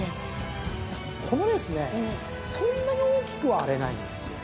そんなに大きくは荒れないんですよ。